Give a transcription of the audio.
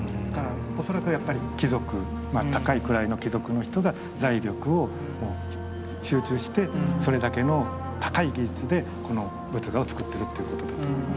恐らくやっぱり貴族高い位の貴族の人が財力を集中してそれだけの高い技術でこの仏画を作っているということだと思います。